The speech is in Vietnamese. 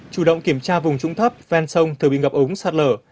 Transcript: chủ động kiểm tra vùng trung thấp ven sông thờ bị ngập ống sát lở